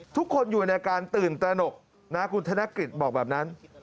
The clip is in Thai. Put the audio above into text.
ทุกคนอยู่ในอาการตื่นตระหนกนะคุณธนกฤษบอกแบบนั้น